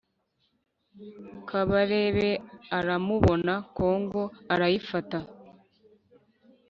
Kabarebe aramubona kongo arayifata